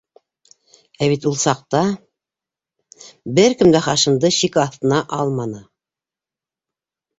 Ә бит ул саҡта... бер кем дә Хашимды шик аҫтына алманы...